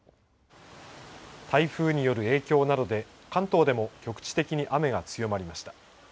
台風による影響などで、関東でも局地的に雨が強まりました。